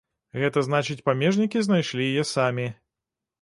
Гэта значыць, памежнікі знайшлі яе самі.